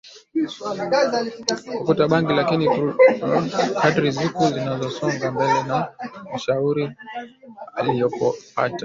kuvuta bangi lakini kadri siku zilivyosonga mbele na ushauri aliopata